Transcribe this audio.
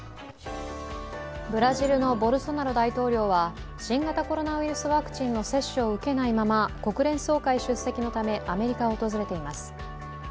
ブラジルのボルソナロ大統領は、新型コロナウイルスワクチンの接種を受けないまま国連総会の出席のためアメリカを訪れています。